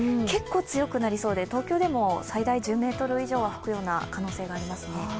結構強くなりそうで、東京でも最大１０ｍ以上は吹くような可能性がありますね。